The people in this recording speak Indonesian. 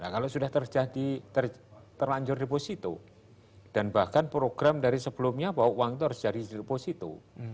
kalau sudah terjadi terlanjur deposito dan bahkan program dari sebelumnya bahwa uang itu harus jadi deposito